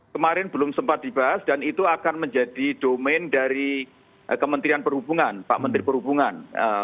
kemarin belum sempat dibahas dan itu akan menjadi domain dari kementerian perhubungan pak menteri perhubungan